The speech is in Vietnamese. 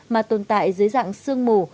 mà tồn tại dưới dạng sương mù